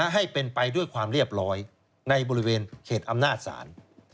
ให้เป็นไปด้วยความเรียบร้อยในบริเวณเขตอำนาจศาล